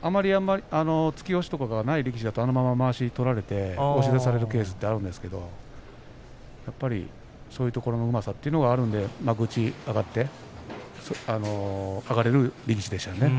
あまり突き押しがない力士だとあのまままわしを取られて押し出されるケースがあるんですがそういうところのうまさというのがあるんで幕内に上がれる力士なんですね。